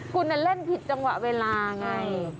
คุณเล่นผิดจังหวะเวลาไง